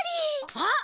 あっ！